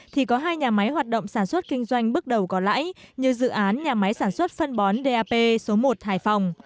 thì có hai nhà máy hoạt động sản xuất kinh doanh bước đầu có lãi như dự án nhà máy sản xuất phân bón dap số một hải phòng